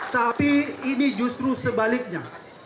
tapi ini justru sebaliknya